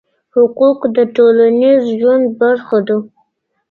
حقوق د ټولنيز ژوند برخه ده؟